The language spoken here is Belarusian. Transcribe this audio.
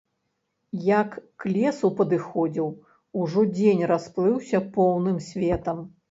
Як к лесу падыходзіў, ужо дзень расплыўся поўным светам.